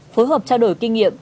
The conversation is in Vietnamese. phối hợp trao đổi kinh nghiệm